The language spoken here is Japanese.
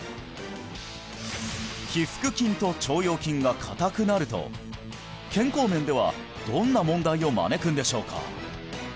腓腹筋と腸腰筋が硬くなると健康面ではどんな問題を招くんでしょうか？